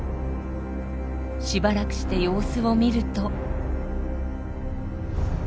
しばらくして様子を見ると。